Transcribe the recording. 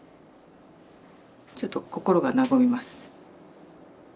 ちょっと心が和みます。